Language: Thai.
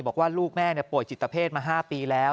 บอกว่าลูกแม่ป่วยจิตเพศมา๕ปีแล้ว